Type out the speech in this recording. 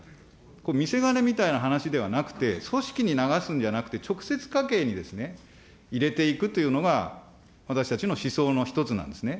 これ、見せ金みたいな話ではなくて、組織に流すんじゃなくて、直接家計に入れていくというのが私たちの思想の一つなんですね。